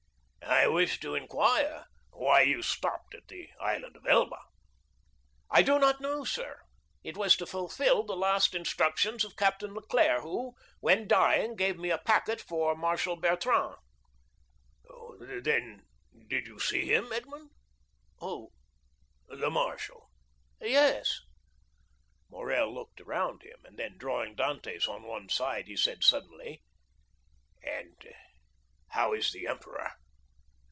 "I wished to inquire why you stopped at the Island of Elba?" "I do not know, sir; it was to fulfil the last instructions of Captain Leclere, who, when dying, gave me a packet for Marshal Bertrand." "Then did you see him, Edmond?" "Who?" "The marshal." "Yes." Morrel looked around him, and then, drawing Dantès on one side, he said suddenly— "And how is the emperor?"